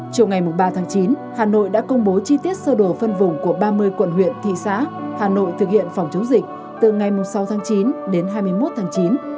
chiều ngày ba tháng chín hà nội đã công bố chi tiết sơ đồ phân vùng của ba mươi quận huyện thị xã hà nội thực hiện phòng chống dịch từ ngày sáu tháng chín đến hai mươi một tháng chín